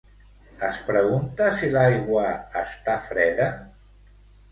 Es pregunta si l'aigua està freda?